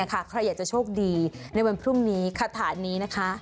ใครอยากจะโชคดีในวันพรุ่งนี้คาถานี้นะคะ